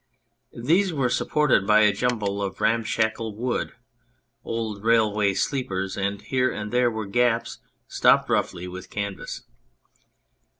These were supported by a jumble of ramshackle wood, old railway sleepers, and here and there were gaps stopped roughly with canvas.